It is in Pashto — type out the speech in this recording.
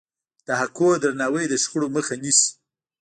د حقونو درناوی د شخړو مخه نیسي.